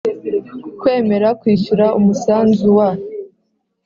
Kwemera kwishyura umusanzu wa